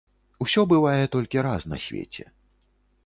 Усё бывае толькі раз на свеце.